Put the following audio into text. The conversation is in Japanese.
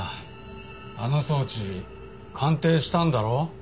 あの装置鑑定したんだろ？